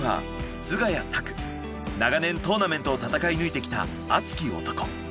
長年トーナメントを戦い抜いてきた熱き男。